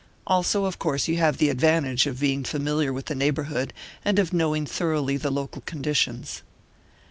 Also, of course, you have the advantage of being familiar with the neighbourhood, and of knowing thoroughly the local conditions."